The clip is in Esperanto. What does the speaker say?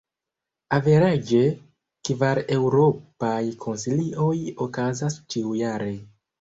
Averaĝe, kvar Eŭropaj Konsilioj okazas ĉiujare.